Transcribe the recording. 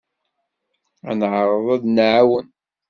Ad neɛreḍ ad d-nɛawen.